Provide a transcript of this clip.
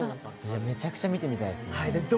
めちゃくちゃ見てみたいですね。